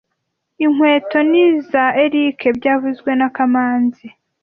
Inkweto ni izoa Eric byavuzwe na kamanzi